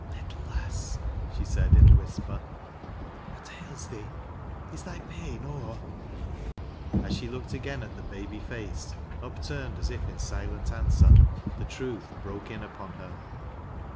" Little lass," she said in a whisper, " what ails thee J Ib thy pain o'er ?" As she looked again at the baby face upturned as if in silent answer, the truth broke in upon her.